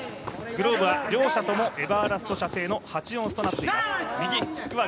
グローブは両者とも、エバーラスト社の８ヨンスとなっています。